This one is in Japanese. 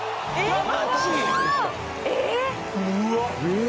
うわっ！